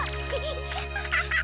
アハハハハ！